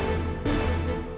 mohon beri salah satu